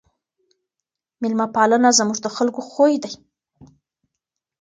ميلمه پالنه زموږ د خلګو خوی دی.